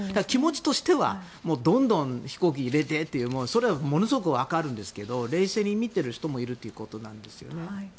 気持ちとしてはどんどん飛行機を入れてというそれはものすごく分かるんですが冷静に見ている人もいるということなんですよね。